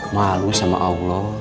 malu sama allah